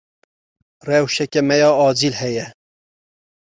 Rewşeke me ya acîl heye.